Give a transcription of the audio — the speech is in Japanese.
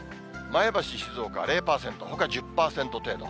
前橋、静岡は０％、ほか１０％程度。